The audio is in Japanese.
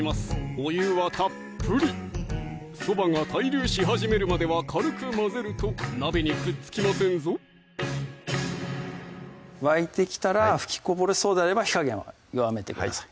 お湯はたっぷりそばが対流し始めるまでは軽く混ぜると鍋にくっつきませんぞ沸いてきたら吹きこぼれそうであれば火加減は弱めてください